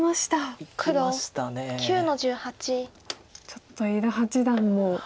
ちょっと伊田八段も。